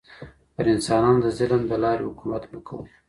پر انسانانو د ظلم له لاري حکومت مه کوئ.